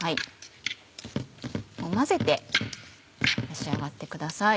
混ぜて召し上がってください。